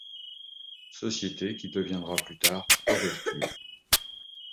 Société qui deviendra plus tard Overture.